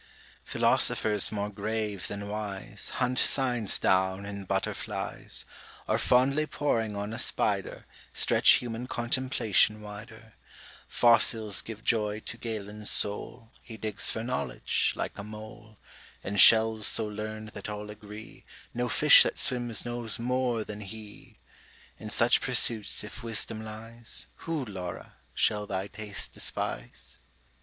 Philosophers more grave than wise Hunt science down in Butterflies; Or fondly poring on a Spider Stretch human contemplation wider; Fossiles give joy to Galen's soul, He digs for knowledge, like a mole; In shells so learn'd that all agree No fish that swims knows more than he! In such pursuits if wisdom lies, Who, Laura, shall thy taste despise?